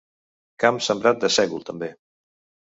Camp sembrat de sègol, també.